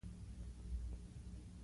مجاهدین درې مرکزونه لري.